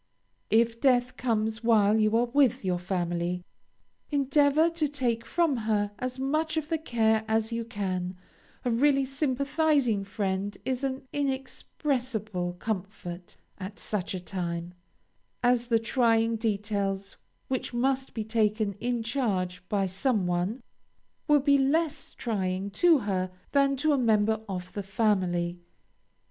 If death comes while you are with your friend, endeavor to take from her as much of the care as you can, a really sympathizing friend is an inexpressible comfort at such a time, as the trying details which must be taken in charge by some one, will be less trying to her than to a member of the family.